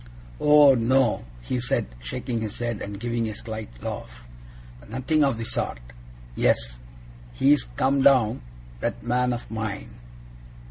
'Oh no!' he said, shaking his head, and giving a slight laugh. 'Nothing of the sort! Yes. He is come down, that man of mine.